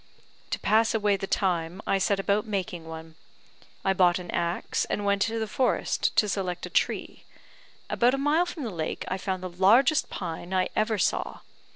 To pass away the time, I set about making one. I bought an axe, and went to the forest to select a tree. About a mile from the lake, I found the largest pine I ever saw.